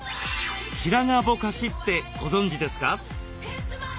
「白髪ぼかし」ってご存じですか？